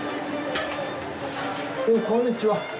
こんにちは